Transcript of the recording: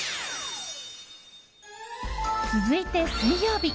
続いて、水曜日。